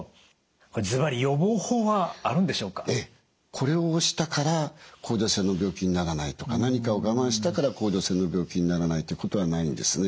これをしたから甲状腺の病気にならないとか何かを我慢したから甲状腺の病気にならないということはないんですね。